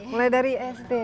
mulai dari sd